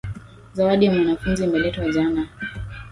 Zawadi ya Mwanafunzi imeletwa jana.